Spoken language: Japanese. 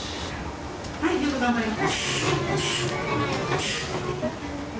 はいよく頑張りました。